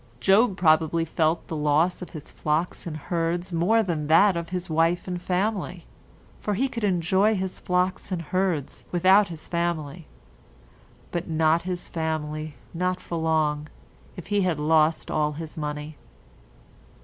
Job probably felt the loss of his flocks and herds more than that of his wife and family, for he could enjoy his flocks and herds without his family, but not his family—not for long—if he had lost all his money.